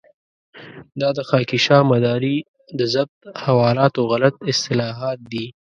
دا د خاکيشاه مداري د ضبط حوالاتو غلط اطلاعات دي.